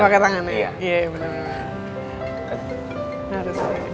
pakai tangannya iya benar